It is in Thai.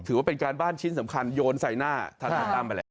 ถือว่าเป็นการบ้านชิ้นสำคัญโยนใส่หน้าทนายตั้มไปแหละ